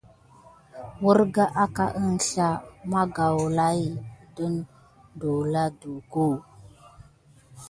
Ərga aka əŋslah magaoula las na don wula duko.